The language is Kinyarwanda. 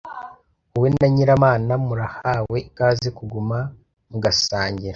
Wowe na Nyiramana murahawe ikaze kuguma mugasangira.